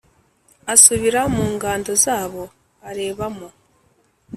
asubira mungando zabo arebamo